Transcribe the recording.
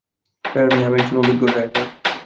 প্যারা নাই, আমি একজন অভিজ্ঞ ড্রাইভার।